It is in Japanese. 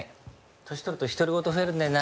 年取ると独り言増えるんだよな。